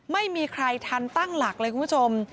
ไม่ทันตั้งหลักเลยคุณผู้ชม